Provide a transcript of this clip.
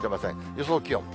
予想気温。